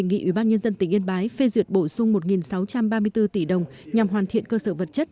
nghị ủy ban nhân dân tỉnh yên bái phê duyệt bổ sung một sáu trăm ba mươi bốn tỷ đồng nhằm hoàn thiện cơ sở vật chất